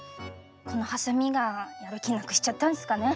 このハサミがやる気なくしちゃったんすかね。